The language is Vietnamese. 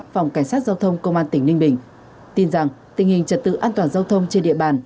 phòng cảnh sát giao thông công an tỉnh ninh bình tin rằng tình hình trật tự an toàn giao thông trên địa bàn